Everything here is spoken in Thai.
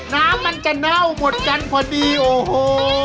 น้ำมันจะเน่าหมดกันพอดีโอ้โห